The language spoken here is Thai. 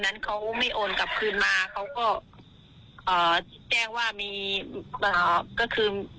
นั้นเขาไม่โอนกลับคืนมาเขาก็เอ่อแจ้งว่ามีเอ่อก็คือ